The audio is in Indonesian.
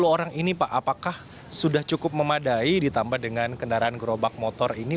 sepuluh orang ini pak apakah sudah cukup memadai ditambah dengan kendaraan gerobak motor ini